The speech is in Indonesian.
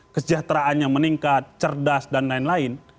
kesejahteraannya meningkat cerdas dan lain lain